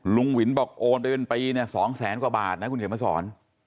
หวินบอกโอนไปเป็นปีเนี่ย๒แสนกว่าบาทนะคุณเขียนมาสอน